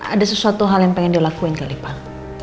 ada sesuatu hal yang pengen dia lakuin kali pak